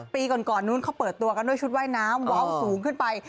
ปีก่อนนู้นเขาเปิดตัวกันด้วยชุดว่ายน้ำเว้าสูงขึ้นไป